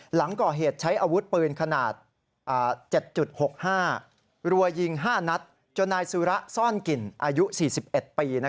หลังก่อเหตุใช้อาวุธปืนขนาด๗๖๕รัวยิง๕นัดจนนายสุระซ่อนกลิ่นอายุ๔๑ปี